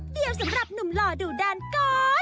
เดียวสำหรับหนุ่มหล่อดูดานก๊อต